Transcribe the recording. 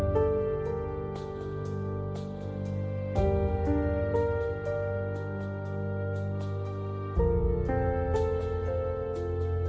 โปรดติดตามต่อไป